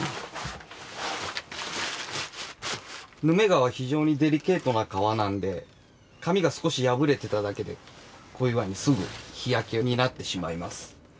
ヌメ革は非常にデリケートな革なんで紙が少し破れてただけでこういうふうにすぐ日焼けになってしまいます。